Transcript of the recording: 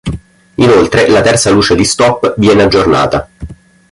Inoltre la terza luce di stop viene aggiornata.